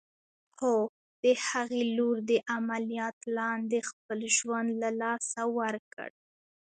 هو! د هغې لور د عمليات لاندې خپل ژوند له لاسه ورکړ.